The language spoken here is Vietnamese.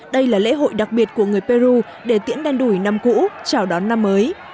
đây là lễ hội đặc biệt của người peru để tiễn đen đủ năm cũ chào đón năm mới